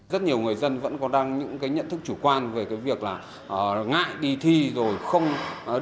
rất nhiều người dân vẫn có những cái nhận thức chủ quan về cái việc là ngại đi thi rồi không đi lái xe